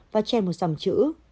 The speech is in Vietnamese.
và che một dòng chữ